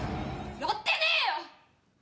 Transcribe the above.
やってねえよ！